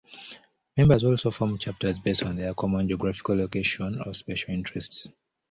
Members also form "chapters" based on either common geographical location or special interests.